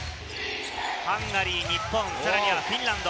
ハンガリー、日本、さらにはフィンランド。